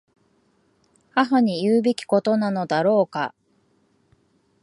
母に言うべきことなのだろうか。